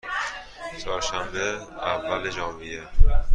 چهارشنبه، اول ژانویه